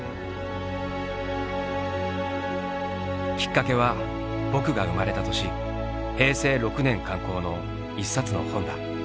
きっかけは「僕」が生まれた年平成６年刊行の一冊の本だ。